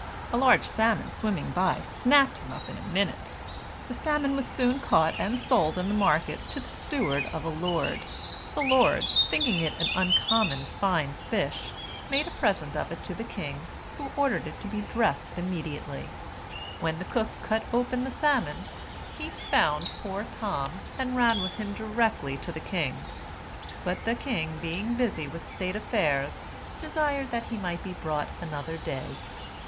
A large salmon swimming by, snapped him up in a minute. The salmon was soon caught and sold in the market to the steward of a lord. The lord, thinking it an uncommon fine fish, made a present of it to the king, who ordered it to be dressed immediately. When the cook cut open the salmon, he found poor Tom, and ran with him directly to the king; but the king being busy with state affairs, desired that he might be brought another day.